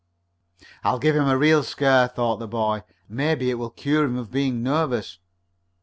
"I'll give him a real scare," thought the boy. "Maybe it will cure him of being nervous."